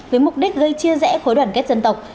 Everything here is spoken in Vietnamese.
với mục đích gây chia rẽ khối đoàn kết dân tộc